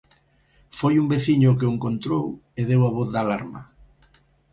Foi un veciño o que o encontrou, e deu a voz de alarma.